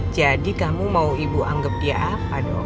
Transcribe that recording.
jadi kamu mau ibu anggap dia apa dong